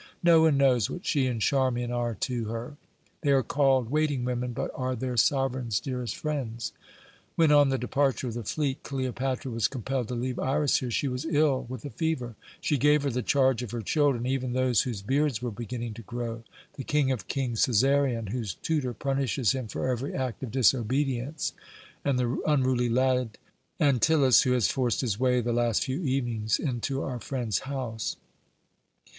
No one knows what she and Charmian are to her. They are called waiting women, but are their sovereign's dearest friends. When, on the departure of the fleet, Cleopatra was compelled to leave Iras here she was ill with a fever she gave her the charge of her children, even those whose beards were beginning to grow, the 'King of kings' Cæsarion, whose tutor punishes him for every act of disobedience; and the unruly lad Antyllus, who has forced his way the last few evenings into our friend's house."